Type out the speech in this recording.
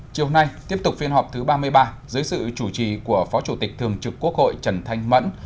chiều nay tiếp tục phiên họp thứ ba mươi ba dưới sự chủ trì của phó chủ tịch thường trực quốc hội trần thanh mẫn